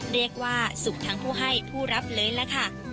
เรียกว่าสุขทั้งผู้ให้ผู้รับเลยล่ะค่ะ